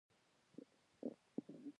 د مینې په قمار خانه کې مې زړه پر تا بایللی.